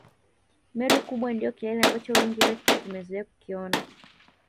Meru kubwa ndio kilele ambacho wengi wetu tumezoea kukiona